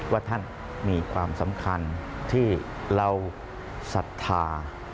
ว่าท่านมีความสำคัญที่เราศรัทธา